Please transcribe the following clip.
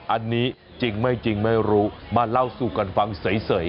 อันนี้จริงไม่จริงไม่รู้มาเล่าสู่กันฟังเฉย